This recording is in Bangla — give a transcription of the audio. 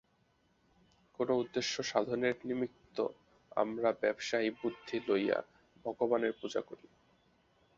কোন উদ্দেশ্য-সাধনের নিমিত্ত আমরা ব্যবসায়ী বুদ্ধি লইয়া ভগবানের পূজা করি।